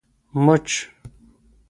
مچ 🐝